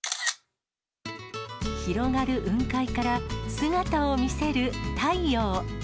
広がる雲海から姿を見せる太陽。